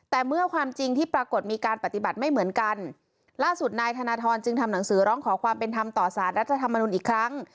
แต่เมื่อความจริงที่ปรากฏมีการปฏิบัติไม่เหมือนกันล่าสุดนายธนทรจึงทำหนังสือร้องขอความเป็นธรรมต่อสารรัฐธรรมนุนอีกครั้ง